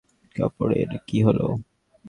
কাপড়ের কী হল?